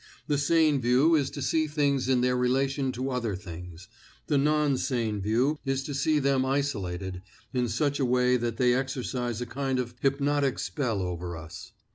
The sane view is to see things in their relation to other things; the non sane view is to see them isolated, in such a way that they exercise a kind of hypnotic spell over us.